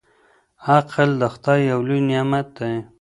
عقل د خدای يو لوی نعمت دی.